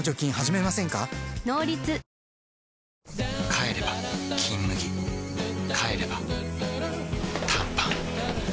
帰れば「金麦」帰れば短パン